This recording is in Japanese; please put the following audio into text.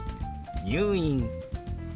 「入院」。